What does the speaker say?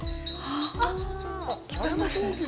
あっ、聞こえます？